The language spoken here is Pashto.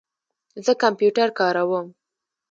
زه کمپیوټر کاروم